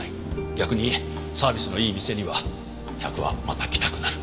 逆にサービスのいい店には客はまた来たくなる。